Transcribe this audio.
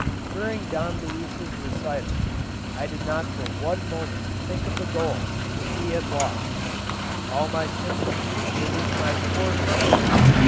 During Don Luis's recital I did not for one moment think of the gold which we had lost; all my sympathies were with my poor friend.